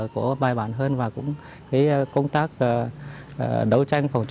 có bài bản hơn và cũng công tác đấu tranh